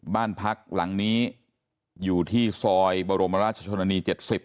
บ้านพักหลังนี้อยู่ที่ซอยบรมราชชนนี๗๐